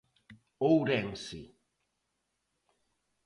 Ourense.